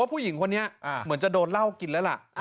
ผู้หญิงคนนี้เหมือนจะโดนเหล้ากินแล้วล่ะ